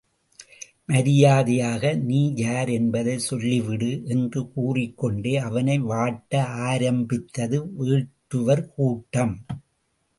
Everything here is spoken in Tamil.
மரியாதையாக நீ யார் என்பதைச் சொல்லிவிடு என்று கூறிக்கொண்டே அவனை வாட்ட ஆரம்பித்தது வேட்டுவர் கூட்டம்.